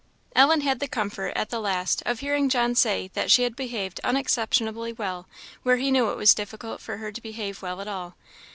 Ellen had the comfort, at the last, of hearing John say that she had behaved unexceptionably well where he knew it was difficult for her to behave well at all.